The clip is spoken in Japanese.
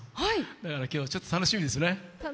だから今日はちょっと楽しみですね。